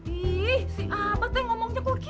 ih si abah tuh yang ngomongnya kok gitu sih